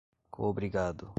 coobrigado